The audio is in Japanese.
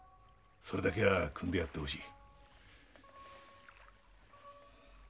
それだけは汲んでやってほしい。